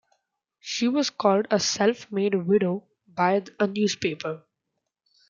She was called a "self-made widow" by a newspaper.